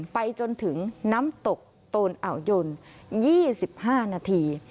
ไปจนถึงน้ำตกโตนอ่าวยน๒๕นาที